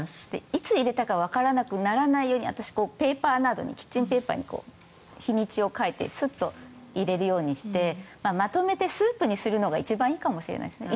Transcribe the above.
いつ入れたかわからなくならないように私、キッチンペーパーなどに日にちを書いてスッと入れるようにしてまとめてスープにするのが一番いいかもしれないですね。